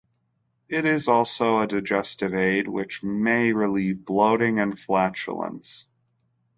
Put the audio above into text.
It is also a digestive aid which may relieve bloating and flatulence.